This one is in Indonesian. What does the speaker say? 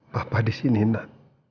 papa disini renan